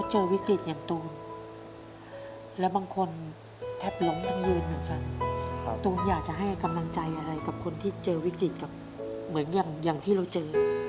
เหมือนอย่างที่เราเจอ